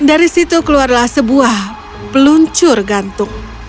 dari situ keluarlah sebuah peluncur gantung